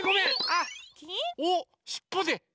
あっおしっぽで！